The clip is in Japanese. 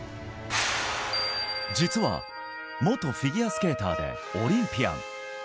実は元フィギュアスケーターでオリンピアン。